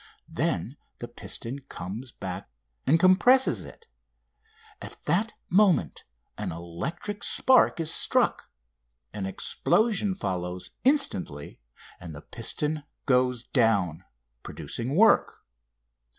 Then the piston comes back and compresses it. At that moment an electric spark is struck. An explosion follows instantly; and the piston goes down, producing work.